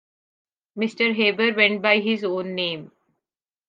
Mr Haber went by his own name.